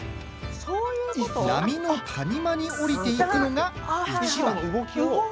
波の谷間に降りてゆくのが１番。